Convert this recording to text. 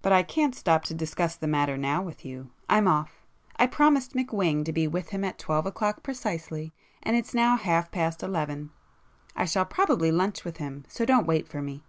"But I can't stop to discuss the matter now with you—I'm off. I promised McWhing [p 170] to be with him at twelve o'clock precisely, and it's now half past eleven. I shall probably lunch with him, so don't wait for me.